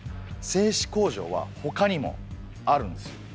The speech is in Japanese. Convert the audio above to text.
製糸工場はほかにもあるんですよ。